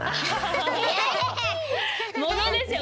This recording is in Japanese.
ものですよ。